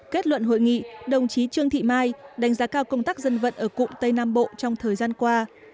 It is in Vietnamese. kết luận hội nghị đồng chí trương thị mai đánh giá cao công tác dân vận ở cụm tây nam bộ trong thời gian qua